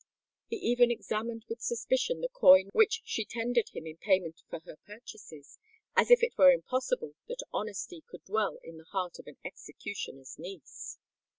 He even examined with suspicion the coin which she tendered him in payment for her purchases—as if it were impossible that honesty could dwell in the heart of an executioner's niece!